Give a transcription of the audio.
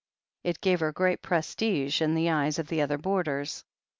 It gave her great prestige in the eyes of the other boarders.